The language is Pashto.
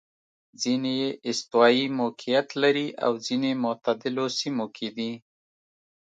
ځیني یې استوايي موقعیت لري او ځیني معتدلو سیمو کې دي.